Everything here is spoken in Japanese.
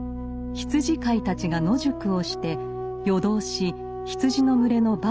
羊飼いたちが野宿をして夜通し羊の群れの番をしていたところ。